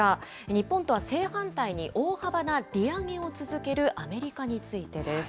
日本とは正反対に大幅な利上げを続けるアメリカについてです。